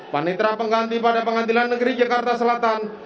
panitra pengganti pada pengadilan negeri jakarta selatan